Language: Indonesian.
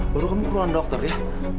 baru kamu ke ruangan dokter ya